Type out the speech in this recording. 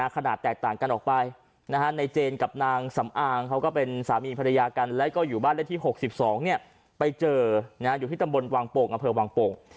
ขนาดแตกต่างกันออกไปในเจนกับนางสำอางเขาก็เป็นสามีภรรยากันแล้วก็อยู่บ้านเลขที่๖๒ไปเจออยู่ที่ตำบลวังโป่งอำเภอวังโป่ง